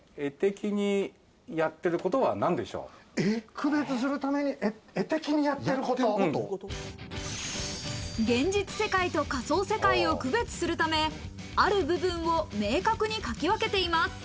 区別するために絵的にやって現実世界と仮想世界を区別するため、ある部分を明確に描き分けています。